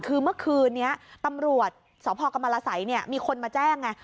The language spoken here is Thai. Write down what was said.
คือเมื่อคืนนี้ตำรวจสพกรรมรสัยมีคนมาแจ้งไง